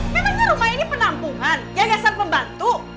memangnya rumah ini penampungan jaga san pembantu